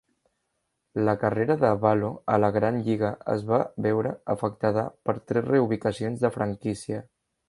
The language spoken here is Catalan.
La carrera de Valo a la gran lliga es va veure afectada per tres reubicacions de franquícia.